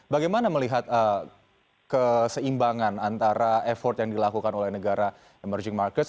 bagaimana melihat keseimbangan antara effort yang dilakukan oleh negara emerging markets